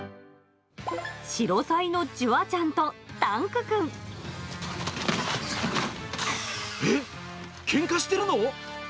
シロサイのジュアちゃんとタえっ、けんかしてるの？